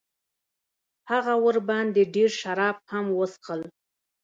هغه ورباندې ډېر شراب هم وڅښل.